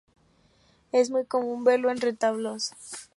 Es muy común verlo en retablos.